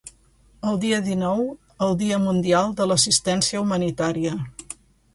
el dia dinou el dia mundial de l'assistència humanitària